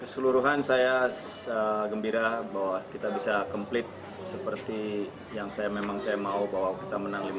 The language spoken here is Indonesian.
saya bisa komplit seperti yang memang saya mau bahwa kita menang lima